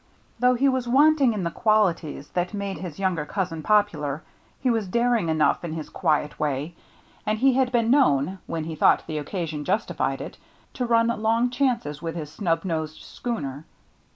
Though he was wanting in the qualities that made his younger cousin popular, he was daring enough in his quiet way, and he had been known, when he thought the occasion justified it, to run long chances with his snub nosed schooner.